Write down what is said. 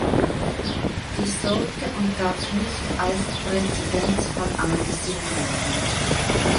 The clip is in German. Dies sollte und darf nicht als Präzedenzfall angesehen werden.